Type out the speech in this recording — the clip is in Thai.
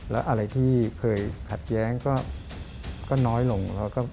แล้วอะไรที่เคยขัดแย้งก็น้อยลง